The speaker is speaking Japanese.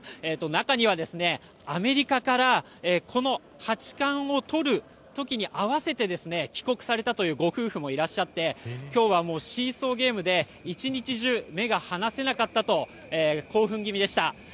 中には、アメリカからこの八冠をとる時に合わせて帰国されたというご夫婦もいらっしゃって今日はもうシーソーゲームで１日中、目が離せなかったと興奮気味でした。